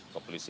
ke polis ya